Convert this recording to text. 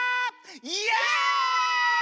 イエイ！